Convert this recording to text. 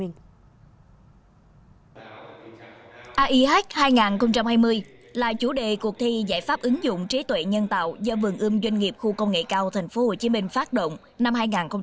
aih hai nghìn hai mươi là chủ đề cuộc thi giải pháp ứng dụng trí tuệ nhân tạo do vườn ươm doanh nghiệp khu công nghệ cao tp hcm phát động năm hai nghìn hai mươi